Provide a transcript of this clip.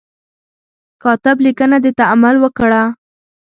کاتب لیکنه د تأمل وړ ده.